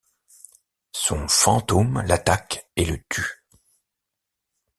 Son fantôme l'attaque et le tue.